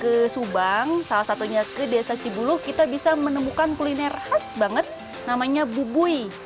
ke subang salah satunya ke desa cibuluh kita bisa menemukan kuliner khas banget namanya bubui